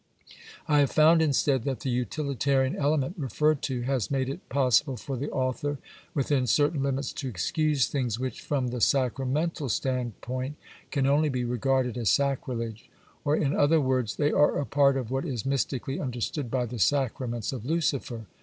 I have found instead that the utilitarian element referred to has made it possible for the author, within certain limits, to excuse things which from the sacramental standpoint can only be regarded as sacrilege, or in other words, they are a part of what is mystically understood by the Sacraments of Lucifer.